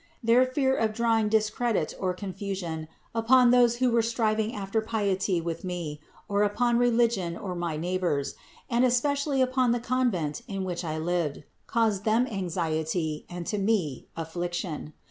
Their fear of drawing discredit or confusion upon those who were striving after piety with me, or upon religion or my neighbors, and especially upon the convent in which I lived, caused them anxiety and to me, affliction.